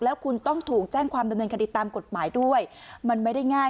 แล้วคุณต้องถูกแจ้งความดำเนินคดีตามกฎหมายด้วยมันไม่ได้ง่าย